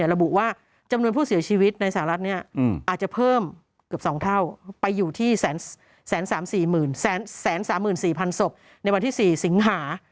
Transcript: ระบุว่าจำนวนผู้เสียชีวิตในสหรัฐอาจจะเพิ่มเกือบ๒เท่าไปอยู่ที่๑๓๔๓๔๐๐๐ศพในวันที่๔สิงหา